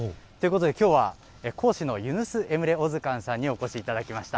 きょうは講師のユヌス・エムレ・オズカンさんにお越しいただきました。